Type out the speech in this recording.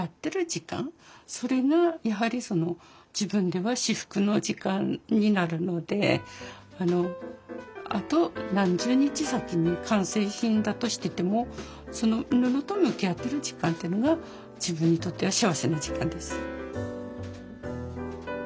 でもになるのであと何十日先に完成品だとしててもその布と向き合ってる時間というのが自分にとっては幸せな時間です。